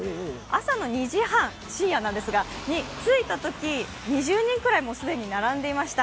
朝の２時半、深夜に着いたとき、２０人ぐらい既に並んでいました。